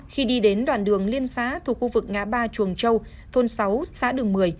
khi đi đến đoạn đường liên xã thuộc khu vực ngã ba chuồng châu thôn sáu xã đường một mươi